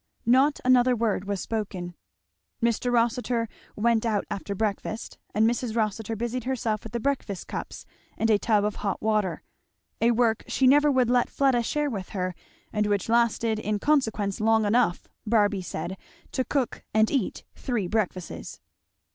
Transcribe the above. Not another word was spoken. Mr. Rossitur went out after breakfast, and Mrs. Rossitur busied herself with the breakfast cups and a tub of hot water, a work she never would let Fleda share with her and which lasted in consequence long enough, Barby said, to cook and eat three breakfasts.